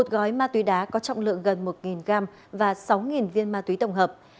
một gói ma túy đá có trọng lượng gần một gram và sáu viên ma túy tổng hợp